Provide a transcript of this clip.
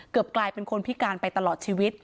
กลายเป็นคนพิการไปตลอดชีวิต